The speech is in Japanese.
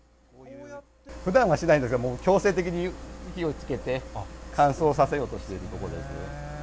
ふだんはしないんですけど、強制的に火をつけて、乾燥させようとしているところです。